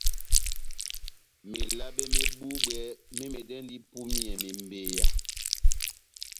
Melabe mé búbwɛ mémɛdɛndi ipúmiyɛ mebeya.